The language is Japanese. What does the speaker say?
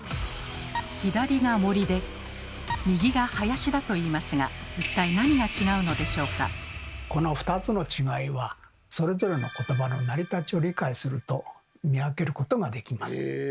左が森で右が林だといいますが一体この２つの違いはそれぞれのことばの成り立ちを理解すると見分けることができます。